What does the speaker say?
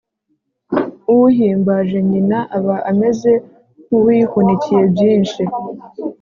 uhimbaje nyina aba ameze nk’uwihunikiye byinshi